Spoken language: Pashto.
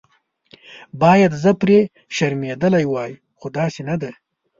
باید زه پرې شرمېدلې وای خو داسې نه ده.